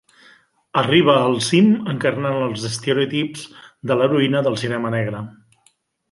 Arriba al cim encarnant els estereotips de l'heroïna del cinema negre.